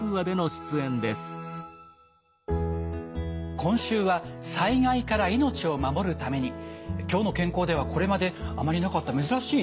今週は「災害から命を守るために」。「きょうの健康」ではこれまであまりなかった珍しい通しテーマですね。